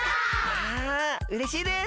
わうれしいです！